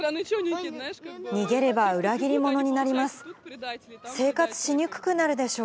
逃げれば裏切り者になります。